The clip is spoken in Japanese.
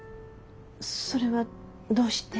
それはどうして？